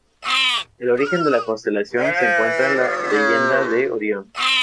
El origen de la constelación se encuentra en la leyenda de Orión.